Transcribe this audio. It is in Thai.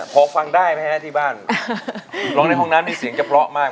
พอฟังได้แม้ที่บ้านร้องในห้องน้ำมีเสียงจับเลาะมาก